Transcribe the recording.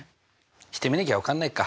してみなきゃ分かんないか。